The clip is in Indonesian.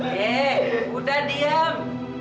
hei udah diam